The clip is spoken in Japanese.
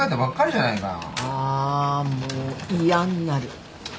あもう嫌になる。